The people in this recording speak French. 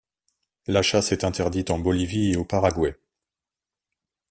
La chasse est interdite en Bolivie et au Paraguay.